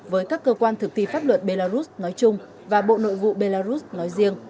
với các cơ quan thực thi pháp luật belarus nói chung và bộ nội vụ belarus nói riêng